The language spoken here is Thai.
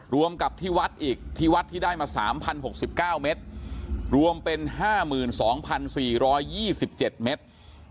รวมกับที่วัดอีกที่วัดที่ได้มา๓๐๖๙เมตรรวมเป็น๕๒๔๒๗เมตร